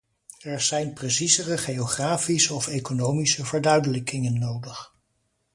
Er zijn preciezere geografische of economische verduidelijkingen nodig.